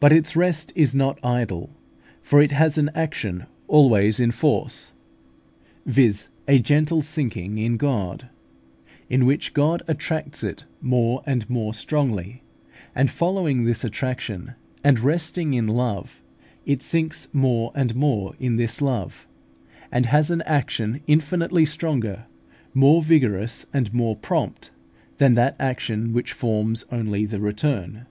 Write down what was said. But its rest is not idle, for it has an action always in force, viz., a gentle sinking in God, in which God attracts it more and more strongly; and, following this attraction, and resting in love, it sinks more and more in this love, and has an action infinitely stronger, more vigorous, and more prompt, than that action which forms only the return.